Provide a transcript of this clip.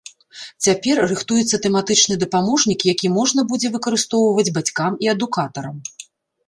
Цяпер рыхтуецца тэматычны дапаможнік, які можна будзе выкарыстоўваць бацькам і адукатарам.